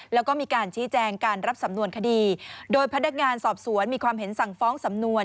แล้วก็มีการชี้แจงการรับสำนวนคดีโดยพนักงานสอบสวนมีความเห็นสั่งฟ้องสำนวน